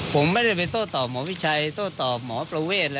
ผมไม่ได้ไปโต้ตอบหมอวิชัยโต้ตอบหมอประเวท